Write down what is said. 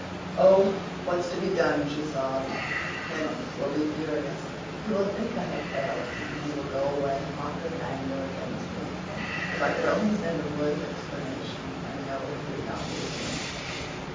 "'Oh, what's to be done?' she sobbed. 'Kenneth will be furious. He will think I have failed him and he will go away hot with anger against me. If I could only send a word of explanation I know he would not leave me.